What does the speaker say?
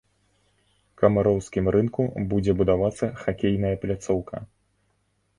Камароўскім рынку будзе будавацца хакейная пляцоўка.